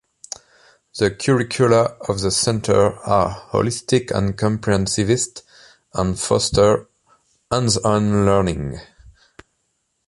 The curricula of the center are "holistic and comprehensivist" and foster hands-on learning.